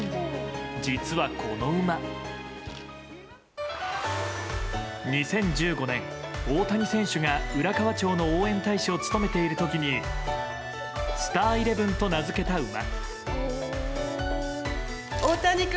実は、この馬２０１５年、大谷選手が浦河町の応援大使を務めている時にスターイレブンと名付けた馬。